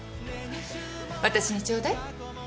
私にちょうだい？